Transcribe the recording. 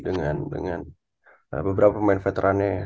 dengan beberapa pemain veterannya